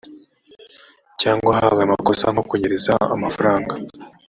cyangwa habaye amakosa nko kunyereza amafaranga